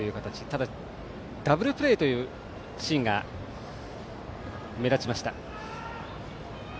ただ、ダブルプレーのシーンが目立ちました。